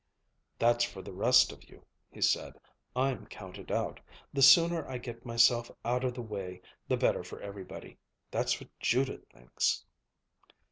"That's for the rest of you," he said. "I'm counted out. The sooner I get myself out of the way, the better for everybody. That's what Judith thinks."